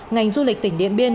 ngành du lịch tỉnh điện biên